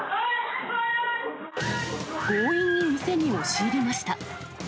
強引に店に押し入りました。